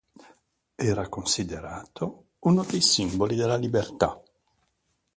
Era considerato uno dei simboli della libertà.